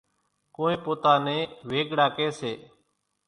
ڪونئين پوتا نين ويڳڙا ڪيَ سي۔